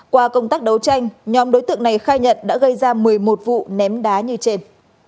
qua công tác đấu tranh nhóm đối tượng này khai nhận đã gây ra một mươi một vụ ném đá như trên